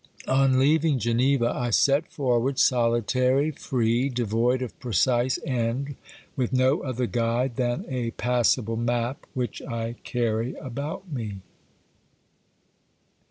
On leaving Geneva I set forward, solitary, free, devoid of precise end, with no other guide than a passable map which I carry about me.